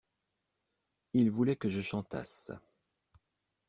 Il voulait que je chantasse.